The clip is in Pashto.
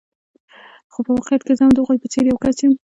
خو په واقعیت کې زه هم د هغوی په څېر یو کس یم.